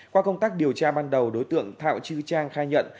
qua công tác điều tra ban đầu đối tượng thạo chư trang khai nhận